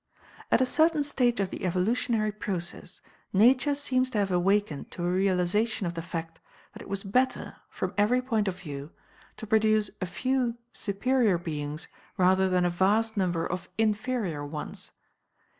At a certain stage of the evolutionary process, Nature seems to have awakened to a realization of the fact that it was better, from every point of view, to produce A FEW superior beings rather than a vast number of inferior ones.